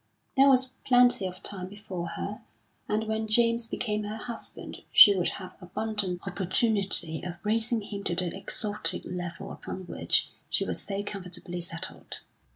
There was plenty of time before her, and when James became her husband she would have abundant opportunity of raising him to that exalted level upon which she was so comfortably settled.